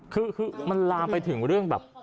คือมันลามไปถึงเรื่องแบบ